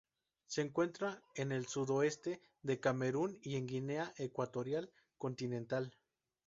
Se encuentra en el sudoeste de Camerún y en Guinea Ecuatorial continental.